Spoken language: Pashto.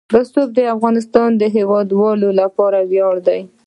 رسوب د افغانستان د هیوادوالو لپاره ویاړ دی.